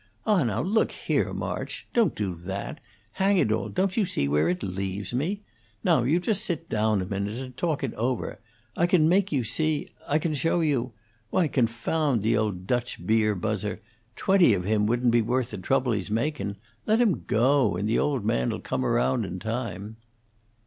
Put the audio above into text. "Ah, now, look here, March! Don't do that! Hang it all, don't you see where it leaves me? Now, you just sit down a minute and talk it over. I can make you see I can show you Why, confound the old Dutch beer buzzer! Twenty of him wouldn't be worth the trouble he's makin'. Let him go, and the old man 'll come round in time."